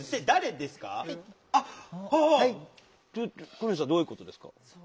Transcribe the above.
小西さんどういうことですか？